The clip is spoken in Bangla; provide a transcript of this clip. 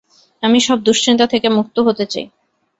আমি সব দুশ্চিন্তা থেকে মুক্ত হতে চাই।